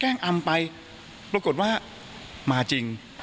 แกล้งอำไปปรากฏว่ามาจริง